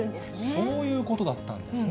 そういうことだったんですね。